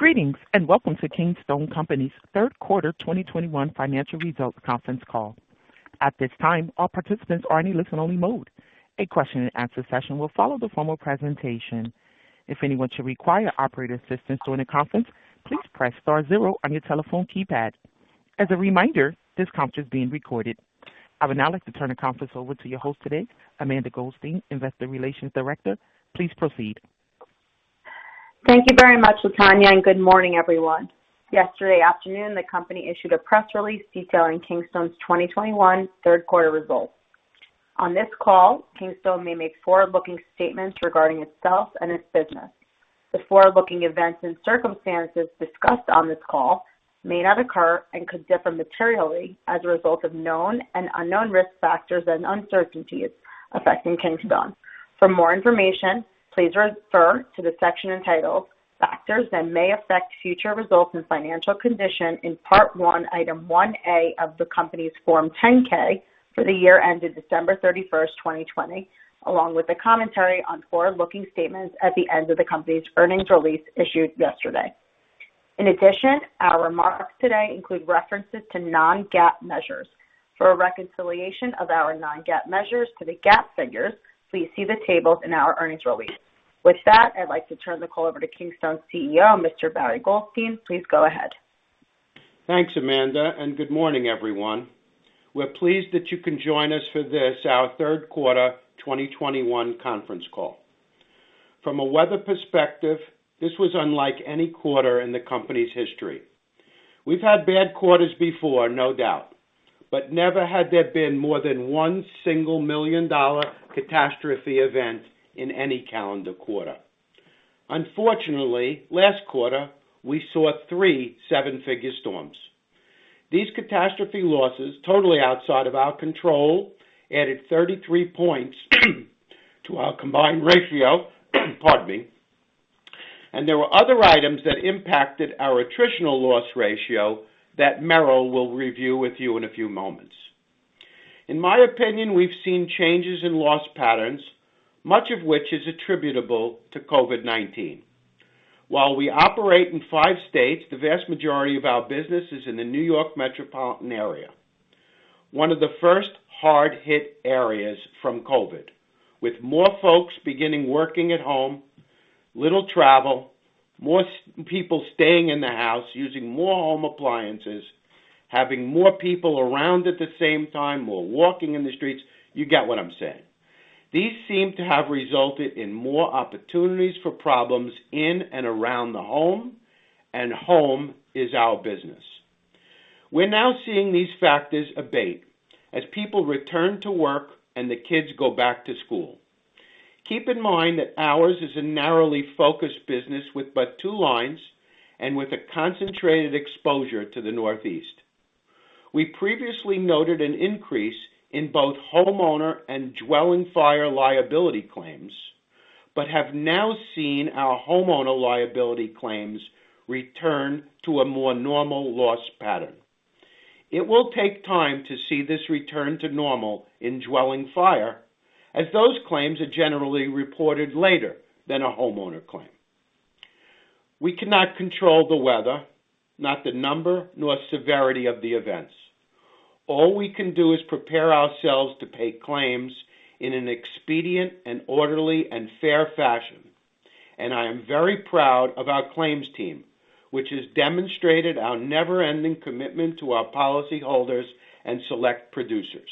Greetings, and welcome to Kingstone Companies' Q3 2021 financial results conference call. At this time, all participants are in a listen-only mode. A question-and-answer session will follow the formal presentation. If anyone should require operator assistance during the conference, please press star zero on your telephone keypad. As a reminder, this conference is being recorded. I would now like to turn the conference over to your host today, Amanda Goldstein, Investor Relations Director. Please proceed. Thank you very much, Latonya, and good morning, everyone. Yesterday afternoon, the company issued a press release detailing Kingstone's 2021 Q3 results. On this call, Kingstone may make forward-looking statements regarding itself and its business. The forward-looking events and circumstances discussed on this call may not occur and could differ materially as a result of known and unknown risk factors and uncertainties affecting Kingstone. For more information, please refer to the section entitled Factors That May Affect Future Results and Financial Condition in Part I, Item 1A of the company's Form 10-K for the year ended December 31, 2020, along with a commentary on forward-looking statements at the end of the company's earnings release issued yesterday. In addition, our remarks today include references to non-GAAP measures. For a reconciliation of our non-GAAP measures to the GAAP figures, please see the tables in our earnings release. With that, I'd like to turn the call over to Kingstone's CEO, Mr. Barry Goldstein. Please go ahead. Thanks, Amanda, and good morning, everyone. We're pleased that you can join us for this, our Q3 2021 conference call. From a weather perspective, this was unlike any quarter in the company's history. We've had bad quarters before, no doubt, but never had there been more than 1 single $1 million catastrophe event in any calendar quarter. Unfortunately, last quarter, we saw three seven-figure storms. These catastrophe losses, totally outside of our control, added 33 points to our combined ratio, pardon me. There were other items that impacted our attritional loss ratio that Meryl will review with you in a few moments. In my opinion, we've seen changes in loss patterns, much of which is attributable to COVID-19. While we operate in five states, the vast majority of our business is in the New York metropolitan area, one of the first hard-hit areas from COVID. With more folks beginning working at home, little travel, more so people staying in the house using more home appliances, having more people around at the same time or walking in the streets. You get what I'm saying. These seem to have resulted in more opportunities for problems in and around the home, and home is our business. We're now seeing these factors abate as people return to work and the kids go back to school. Keep in mind that ours is a narrowly focused business with but two lines and with a concentrated exposure to the Northeast. We previously noted an increase in both homeowner and dwelling fire liability claims, but have now seen our homeowner liability claims return to a more normal loss pattern. It will take time to see this return to normal in dwelling fire, as those claims are generally reported later than a homeowner claim. We cannot control the weather, not the number, nor severity of the events. All we can do is prepare ourselves to pay claims in an expedient and orderly and fair fashion. I am very proud of our claims team, which has demonstrated our never-ending commitment to our policyholders and select producers.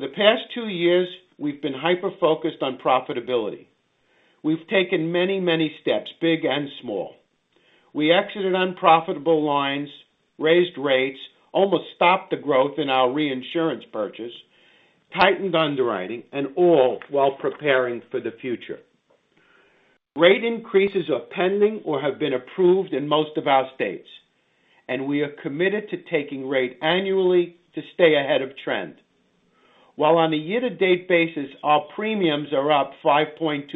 For the past two years, we've been hyper-focused on profitability. We've taken many, many steps, big and small. We exited unprofitable lines, raised rates, almost stopped the growth in our reinsurance purchase, tightened underwriting, and all while preparing for the future. Rate increases are pending or have been approved in most of our states, and we are committed to taking rate annually to stay ahead of trend. While on a year-to-date basis, our premiums are up 5.2%,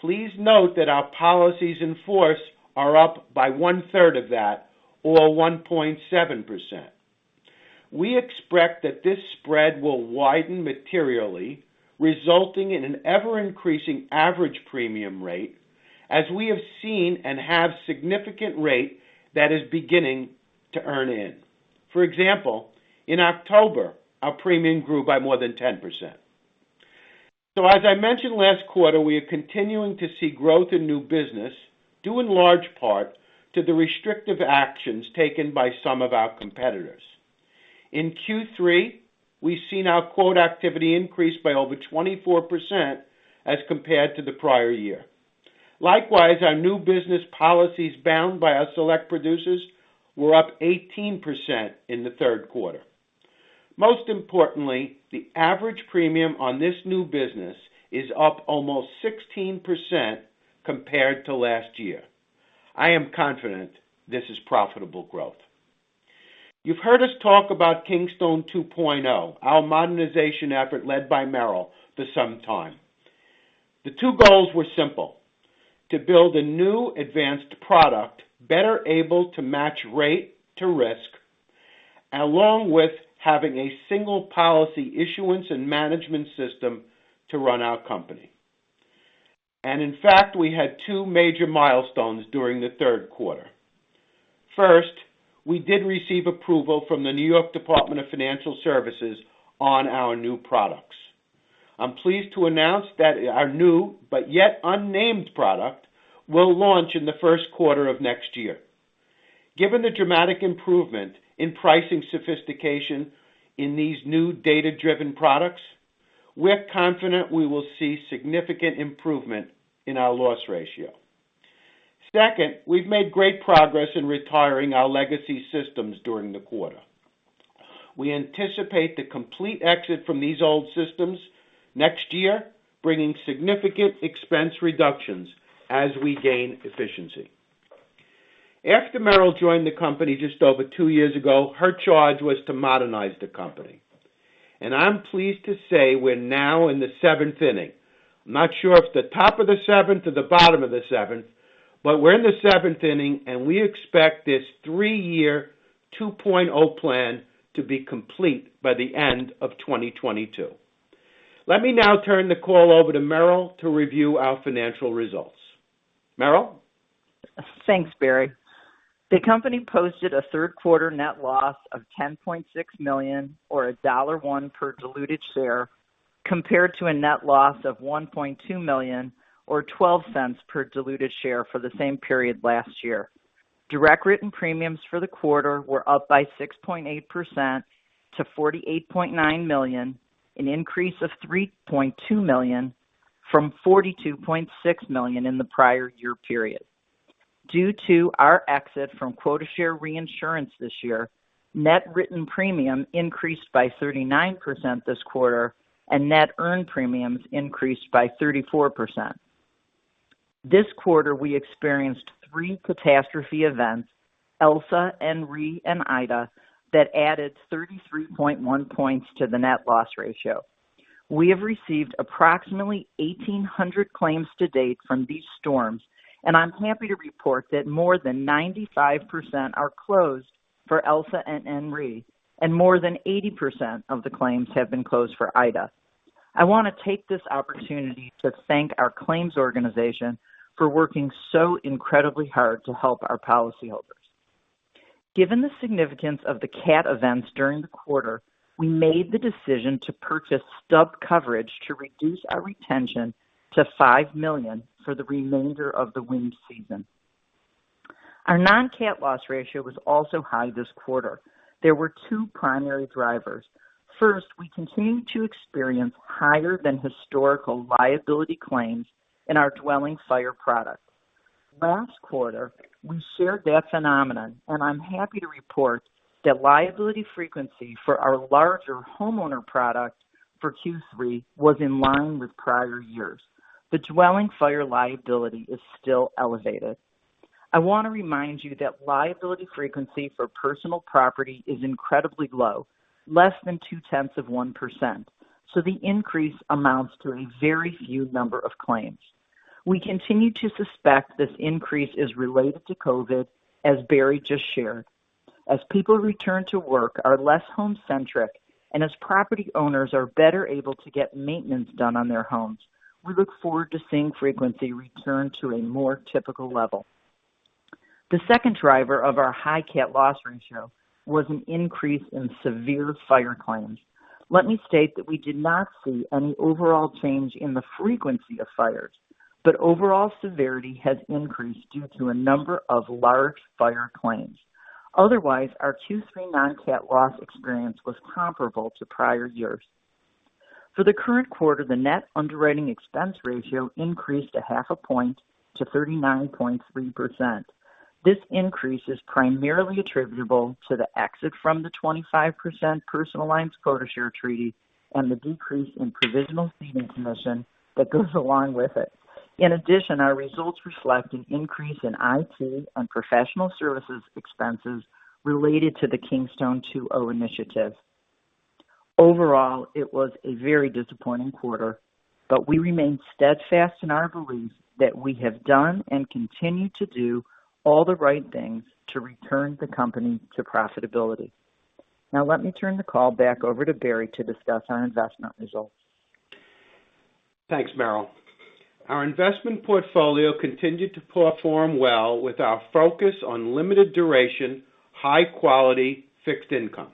please note that our policies in force are up by one-third of that or 1.7%. We expect that this spread will widen materially, resulting in an ever-increasing average premium rate as we have seen and have significant rate that is beginning to earn in. For example, in October, our premium grew by more than 10%. As I mentioned last quarter, we are continuing to see growth in new business due in large part to the restrictive actions taken by some of our competitors. In Q3, we've seen our quote activity increase by over 24% as compared to the prior year. Likewise, our new business policies bound by our select producers were up 18% in the Q3. Most importantly, the average premium on this new business is up almost 16% compared to last year. I am confident this is profitable growth. You've heard us talk about Kingstone 2.0, our modernization effort led by Meryl for some time. The two goals were simple, to build a new advanced product better able to match rate to risk. Along with having a single policy issuance and management system to run our company. In fact, we had two major milestones during the Q3. First, we did receive approval from the New York Department of Financial Services on our new products. I'm pleased to announce that our new but yet unnamed product will launch in the Q1 of next year. Given the dramatic improvement in pricing sophistication in these new data-driven products, we're confident we will see significant improvement in our loss ratio. Second, we've made great progress in retiring our legacy systems during the quarter. We anticipate the complete exit from these old systems next year, bringing significant expense reductions as we gain efficiency. After Meryl joined the company just over two years ago, her charge was to modernize the company, and I'm pleased to say we're now in the seventh inning. I'm not sure if the top of the seventh or the bottom of the seventh, but we're in the seventh inning, and we expect this three-year 2.0 plan to be complete by the end of 2022. Let me now turn the call over to Meryl to review our financial results. Meryl. Thanks, Barry. The company posted a Q3 net loss of $10.6 million or $1.01 per diluted share, compared to a net loss of $1.2 million or $0.12 per diluted share for the same period last year. Direct written premiums for the quarter were up by 6.8% to $48.9 million, an increase of $3.2 million from $42.6 million in the prior year period. Due to our exit from quota share reinsurance this year, net written premium increased by 39% this quarter and net earned premiums increased by 34%. This quarter, we experienced three catastrophe events, Elsa, Henri, and Ida, that added 33.1 points to the net loss ratio. We have received approximately 1,800 claims to date from these storms, and I'm happy to report that more than 95% are closed for Elsa and Henri, and more than 80% of the claims have been closed for Ida. I want to take this opportunity to thank our claims organization for working so incredibly hard to help our policyholders. Given the significance of the CAT events during the quarter, we made the decision to purchase stub coverage to reduce our retention to $5 million for the remainder of the wind season. Our non-CAT loss ratio was also high this quarter. There were two primary drivers. First, we continue to experience higher than historical liability claims in our dwelling fire product. Last quarter, we shared that phenomenon, and I'm happy to report that liability frequency for our larger homeowners product for Q3 was in line with prior years. The dwelling fire liability is still elevated. I want to remind you that liability frequency for personal property is incredibly low, less than 0.2%, so the increase amounts to a very few number of claims. We continue to suspect this increase is related to COVID, as Barry just shared. As people return to work, are less home-centric, and as property owners are better able to get maintenance done on their homes, we look forward to seeing frequency return to a more typical level. The second driver of our high cat loss ratio was an increase in severe fire claims. Let me state that we did not see any overall change in the frequency of fires, but overall severity has increased due to a number of large fire claims. Otherwise, our Q3 non-cat loss experience was comparable to prior years. For the current quarter, the net underwriting expense ratio increased a half a point to 39.3%. This increase is primarily attributable to the exit from the 25% personal lines quota share treaty and the decrease in provisional ceding commission that goes along with it. In addition, our results reflect an increase in IT and professional services expenses related to the Kingstone 2.0 initiative. Overall, it was a very disappointing quarter, but we remain steadfast in our belief that we have done and continue to do all the right things to return the company to profitability. Now, let me turn the call back over to Barry to discuss our investment results. Thanks, Meryl. Our investment portfolio continued to perform well with our focus on limited duration, high-quality fixed income.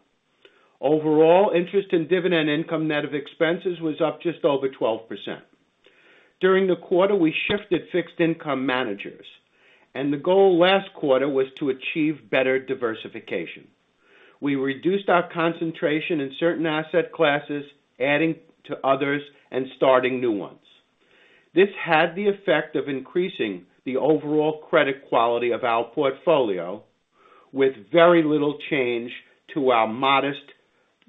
Overall, interest and dividend income net of expenses was up just over 12%. During the quarter, we shifted fixed-income managers, and the goal last quarter was to achieve better diversification. We reduced our concentration in certain asset classes, adding to others and starting new ones. This had the effect of increasing the overall credit quality of our portfolio with very little change to our modest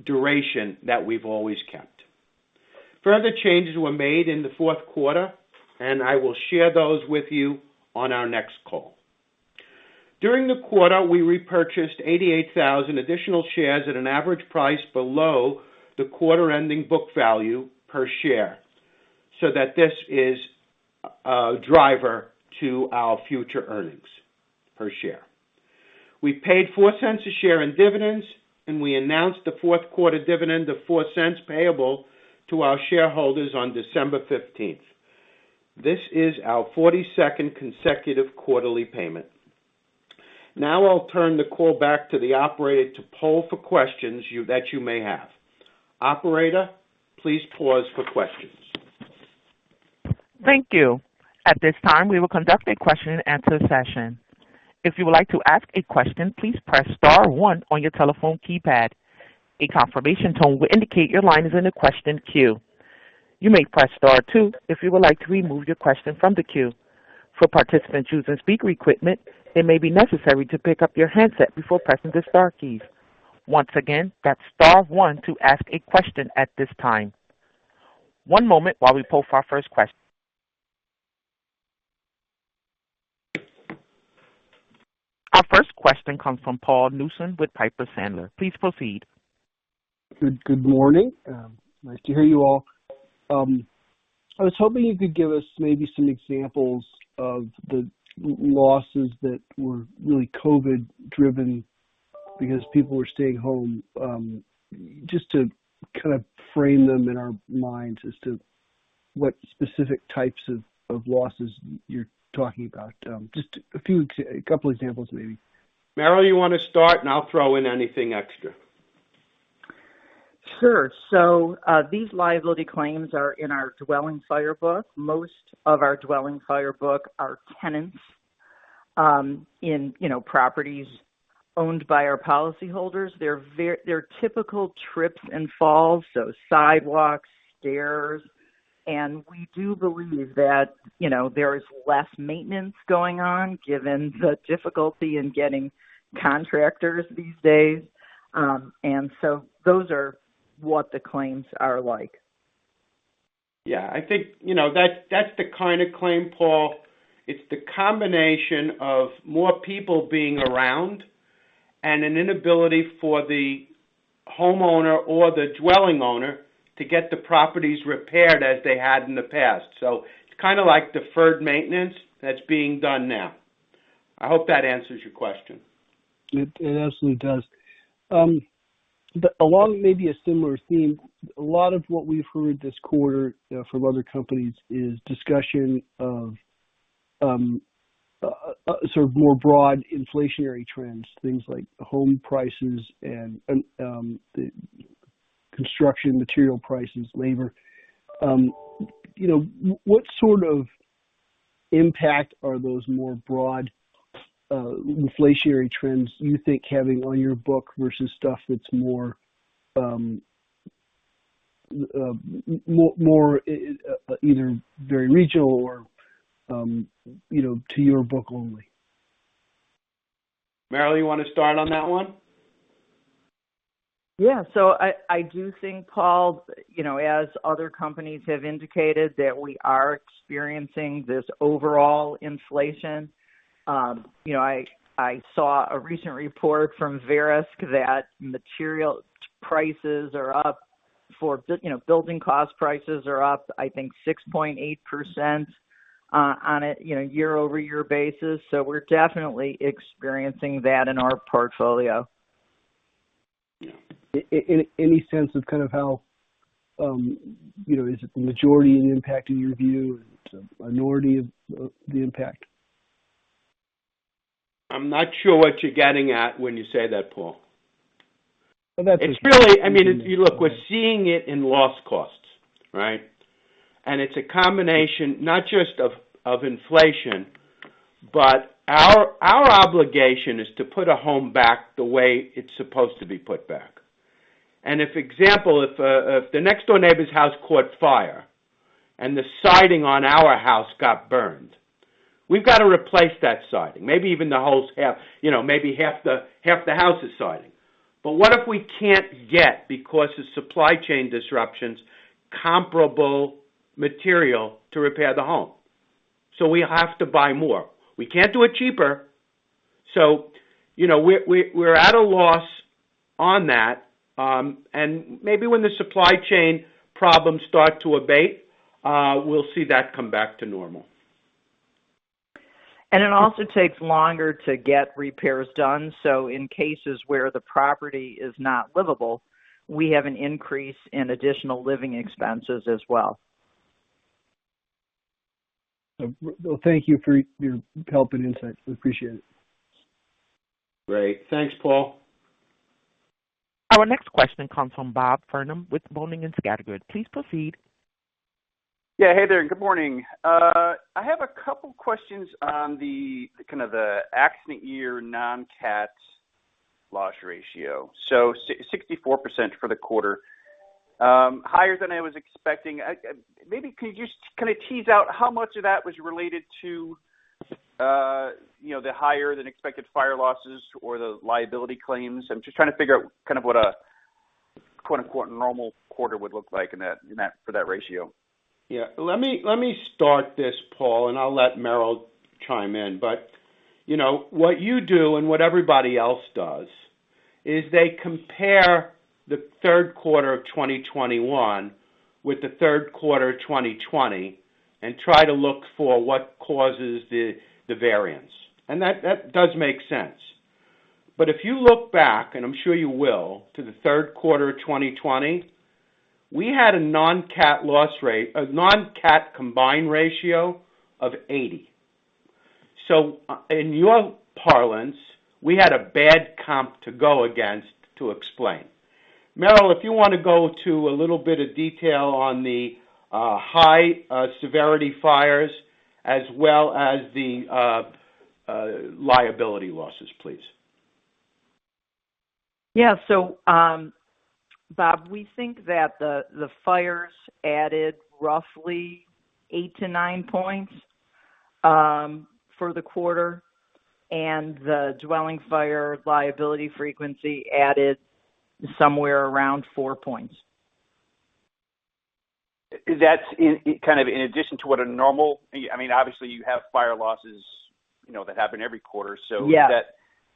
duration that we've always kept. Further changes were made in the Q4, and I will share those with you on our next call. During the quarter, we repurchased 88,000 additional shares at an average price below the quarter ending book value per share, so that this is a driver to our future earnings per share. We paid $0.04 a share in dividends, and we announced the Q4 dividend of $0.04 payable to our shareholders on December 15th. This is our 42nd consecutive quarterly payment. Now I'll turn the call back to the operator to poll for questions that you may have. Operator, please pause for questions. Thank you. At this time, we will conduct a question and answer session. If you would like to ask a question, please press star one on your telephone keypad. A confirmation tone will indicate your line is in the question queue. You may press star two if you would like to remove your question from the queue. For participants using speaker equipment, it may be necessary to pick up your handset before pressing the star keys. Once again, that's star one to ask a question at this time. One moment while we poll for our first question. Our first question comes from Paul Newsome with Piper Sandler. Please proceed. Good morning. Nice to hear you all. I was hoping you could give us maybe some examples of the losses that were really COVID driven because people were staying home, just to kind of frame them in our minds as to what specific types of losses you're talking about. Just a couple examples, maybe. Meryl, you want to start, and I'll throw in anything extra. These liability claims are in our dwelling fire book. Most of our dwelling fire book are tenants in you know properties owned by our policyholders. They're typical trips and falls, so sidewalks, stairs. We do believe that there is less maintenance going on given the difficulty in getting contractors these days. Those are what the claims are like. Yeah. I think, you know, that's the kind of claim, Paul. It's the combination of more people being around and an inability for the homeowner or the dwelling owner to get the properties repaired as they had in the past. It's kind of like deferred maintenance that's being done now. I hope that answers your question. It absolutely does. Along maybe a similar theme, a lot of what we've heard this quarter from other companies is discussion of sort of more broad inflationary trends, things like home prices and the construction material prices, labor. You know, what sort of impact are those more broad inflationary trends you think having on your book versus stuff that's more more either very regional or you know to your book only? Meryl, you want to start on that one? Yeah. I do think, Paul, you know, as other companies have indicated, that we are experiencing this overall inflation. You know, I saw a recent report from Verisk that material prices are up, you know, building cost prices are up, I think 6.8%, on a, you know, year-over-year basis. We're definitely experiencing that in our portfolio. Any sense of kind of how, you know, is it the majority of the impact in your view, or is it a minority of the impact? I'm not sure what you're getting at when you say that, Paul. Well, that's. It's really, I mean, if you look, we're seeing it in loss costs, right? It's a combination not just of inflation, but our obligation is to put a home back the way it's supposed to be put back. For example, if the next door neighbor's house caught fire and the siding on our house got burned, we've got to replace that siding, maybe even, you know, maybe half the house's siding. What if we can't get, because of supply chain disruptions, comparable material to repair the home? We have to buy more. We can't do it cheaper. You know, we're at a loss on that. Maybe when the supply chain problems start to abate, we'll see that come back to normal. It also takes longer to get repairs done. In cases where the property is not livable, we have an increase in additional living expenses as well. Well, thank you for your help and insight. We appreciate it. Great. Thanks, Paul. Our next question comes from Robert Farnam with Janney Montgomery Scott. Please proceed. Yeah. Hey there, and good morning. I have a couple questions on the kind of the accident year non-CAT loss ratio. 64% for the quarter, higher than I was expecting. Maybe could you just kind of tease out how much of that was related to, you know, the higher than expected fire losses or the liability claims? I'm just trying to figure out kind of what a quote-unquote normal quarter would look like in that for that ratio. Yeah. Let me start this, Paul, and I'll let Meryl chime in. You know, what you do and what everybody else does is they compare the Q3 of 2021 with the Q3 of 2020 and try to look for what causes the variance. That does make sense. If you look back, and I'm sure you will, to the Q3 of 2020, we had a non-CAT loss rate, a non-CAT combined ratio of 80. In your parlance, we had a bad comp to go against to explain. Meryl, if you wanna go to a little bit of detail on the high severity fires as well as the liability losses, please. Yeah, Bob, we think that the fires added roughly 8%-9% for the quarter, and the dwelling fire liability frequency added somewhere around 4%. That's in kind of in addition to what a normal. I mean, obviously, you have fire losses, you know, that happen every quarter, so. Yeah. Is that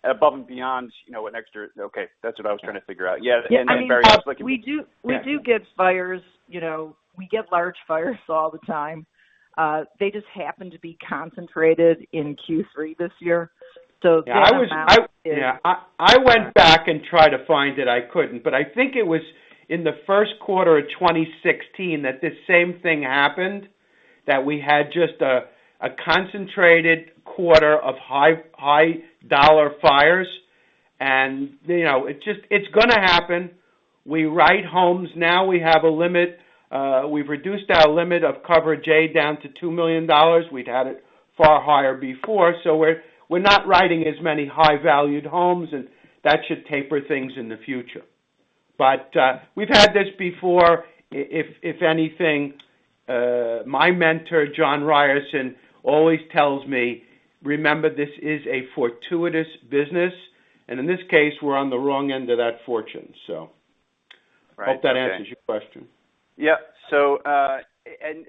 above and beyond, you know, an extra? Okay, that's what I was trying to figure out. Yeah. Then very quickly- We do- Yeah. We do get fires. You know, we get large fires all the time. They just happen to be concentrated in Q3 this year. The amount is. Yeah. I went back and tried to find it, I couldn't, but I think it was in the Q1 of 2016 that this same thing happened, that we had just a concentrated quarter of high dollar fires. You know, it just is gonna happen. We write homes now. We have a limit, we've reduced our limit of Coverage A down to $2 million. We'd had it far higher before, so we're not writing as many high valued homes, and that should taper things in the future. We've had this before. If anything, my mentor, John Ryerson, always tells me, "Remember, this is a fortuitous business." In this case, we're on the wrong end of that fortune. Right. Hope that answers your question.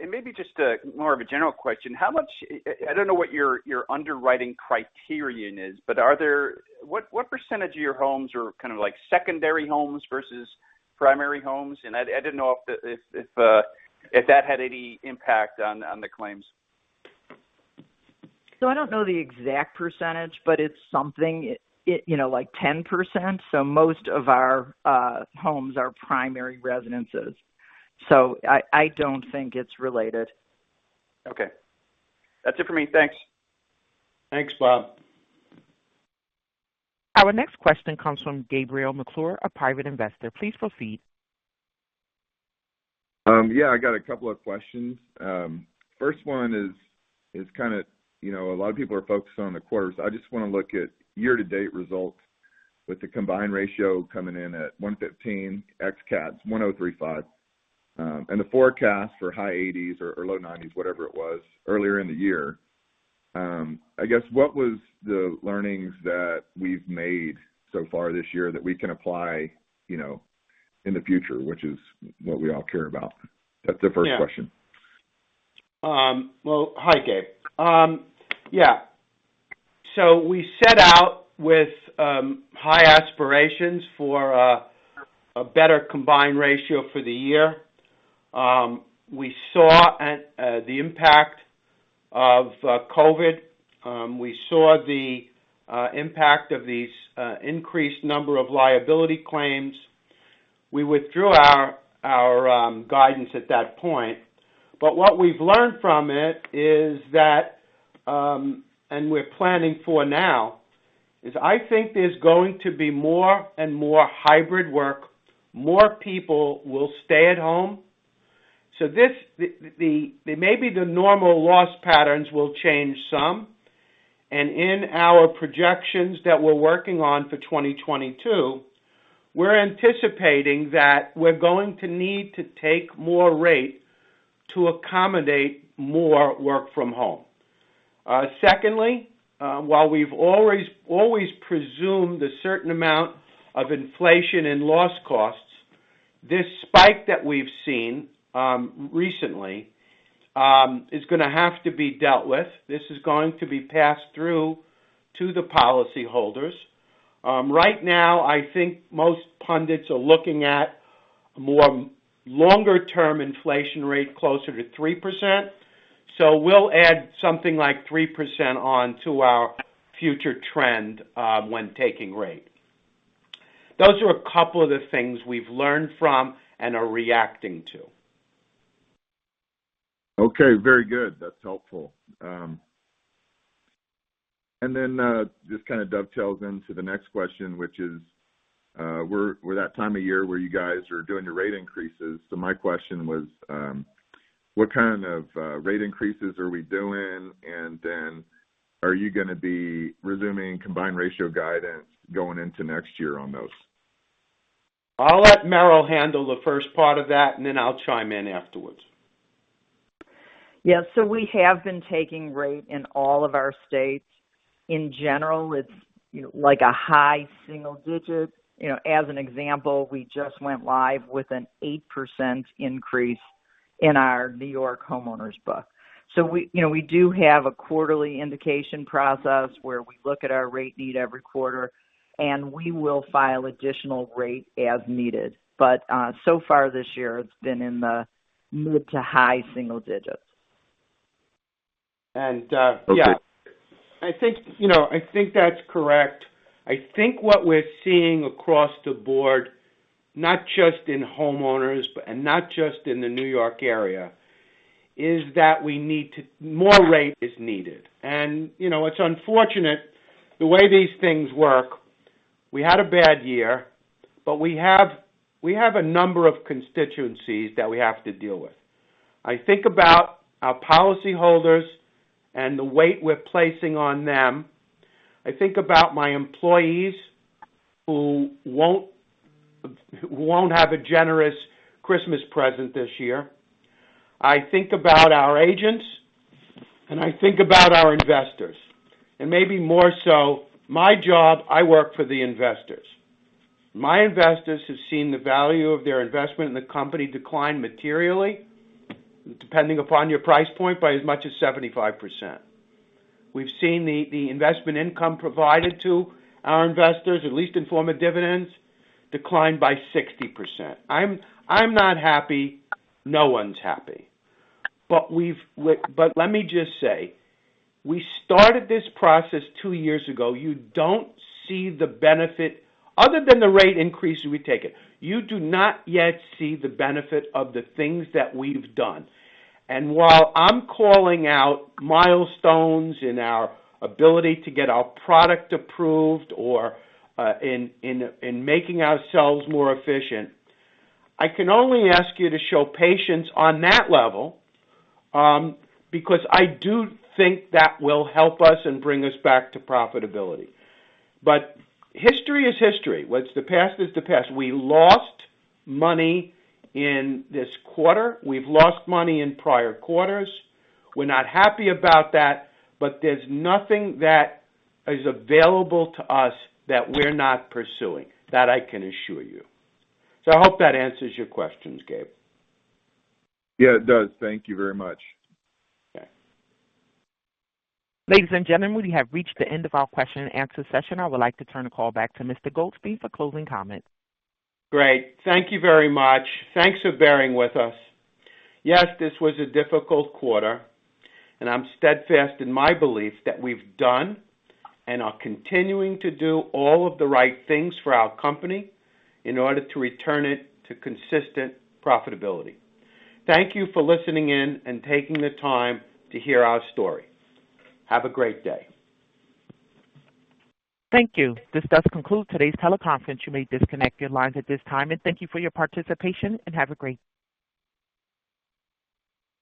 Maybe just more of a general question. I don't know what your underwriting criterion is, but what percentage of your homes are kind of like secondary homes versus primary homes? I didn't know if that had any impact on the claims. I don't know the exact percentage, but it's something, it you know, like 10%. Most of our homes are primary residences. I don't think it's related. Okay. That's it for me. Thanks. Thanks, Bob. Our next question comes from Gabriel McClure, a private investor. Please proceed. Yeah, I got a couple of questions. First one is kinda, you know, a lot of people are focused on the quarters. I just wanna look at year-to-date results with the combined ratio coming in at 115%, ex cats 103.5%. And the forecast for high 80s or low 90s, whatever it was earlier in the year. I guess, what was the learnings that we've made so far this year that we can apply, you know, in the future, which is what we all care about. That's the first question. Hi, Gabe. We set out with high aspirations for a better combined ratio for the year. We saw the impact of COVID. We saw the impact of these increased number of liability claims. We withdrew our guidance at that point. What we've learned from it is that and we're planning for now is I think there's going to be more and more hybrid work, more people will stay at home. This maybe the normal loss patterns will change some. In our projections that we're working on for 2022, we're anticipating that we're going to need to take more rate to accommodate more work from home. Secondly, while we've always presumed a certain amount of inflation and loss costs, this spike that we've seen recently is gonna have to be dealt with. This is going to be passed through to the policyholders. Right now, I think most pundits are looking at more longer-term inflation rate closer to 3%. We'll add something like 3% on to our future trend when taking rate. Those are a couple of the things we've learned from and are reacting to. Okay. Very good. That's helpful. This kind of dovetails into the next question, which is, we're that time of year where you guys are doing your rate increases. My question was, what kind of rate increases are we doing? Are you gonna be resuming combined ratio guidance going into next year on those? I'll let Meryl handle the first part of that, and then I'll chime in afterwards. Yeah. We have been taking rate in all of our states. In general, it's, you know, like a high single digit. You know, as an example, we just went live with an 8% increase in our New York homeowners book. We, you know, we do have a quarterly indication process where we look at our rate need every quarter, and we will file additional rate as needed. So far this year, it's been in the mid to high single digits. Yeah. Okay. I think, you know, I think that's correct. I think what we're seeing across the board, not just in homeowners but and not just in the New York area, is that more rate is needed. You know, it's unfortunate the way these things work. We had a bad year, but we have a number of constituencies that we have to deal with. I think about our policyholders and the rate we're placing on them. I think about my employees who won't have a generous Christmas present this year. I think about our agents, and I think about our investors. Maybe more so my job, I work for the investors. My investors have seen the value of their investment in the company decline materially, depending upon your price point, by as much as 75%. We've seen the investment income provided to our investors, at least in form of dividends, decline by 60%. I'm not happy. No one's happy. Let me just say, we started this process two years ago. You don't see the benefit other than the rate increases we've taken. You do not yet see the benefit of the things that we've done. While I'm calling out milestones in our ability to get our product approved or in making ourselves more efficient, I can only ask you to show patience on that level, because I do think that will help us and bring us back to profitability. History is history. The past is the past. We lost money in this quarter. We've lost money in prior quarters. We're not happy about that, but there's nothing that is available to us that we're not pursuing. That I can assure you. I hope that answers your questions, Gabe. Yeah, it does. Thank you very much. Okay. Ladies and gentlemen, we have reached the end of our question-and-answer session. I would like to turn the call back to Mr. Goldstein for closing comments. Great. Thank you very much. Thanks for bearing with us. Yes, this was a difficult quarter, and I'm steadfast in my belief that we've done and are continuing to do all of the right things for our company in order to return it to consistent profitability. Thank you for listening in and taking the time to hear our story. Have a great day. Thank you. This does conclude today's teleconference. You may disconnect your lines at this time. Thank you for your participation, and have a great day.